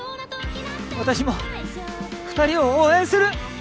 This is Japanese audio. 私も２人を応援する！